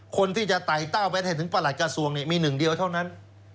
คนที่จะไต่เต้าไปถึงประหลัดกระทรวงเนี่ยมีหนึ่งเดียวเท่านั้น